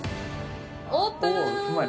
オープン！